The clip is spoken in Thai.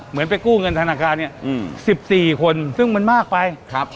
ไปกู้เงินธนาคารเนี่ย๑๔คนซึ่งมันมากไป